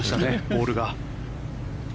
ボールが。